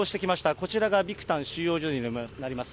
こちらがビクタン収容所になります。